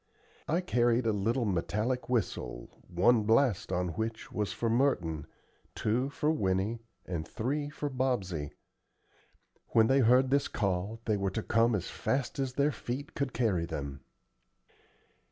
I carried a little metallic whistle one blast on which was for Merton, two for Winnie, and three for Bobsey. When they heard this call they were to come as fast as their feet could carry them.